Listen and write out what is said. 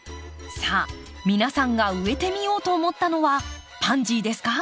さあ皆さんが植えてみようと思ったのはパンジーですか？